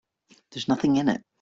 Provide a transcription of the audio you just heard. There's nothing in it.